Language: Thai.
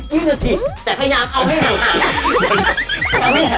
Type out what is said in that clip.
แต่พยายามเอาให้หันอ่ะ